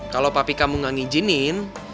kalau papi kamu gak ngijinin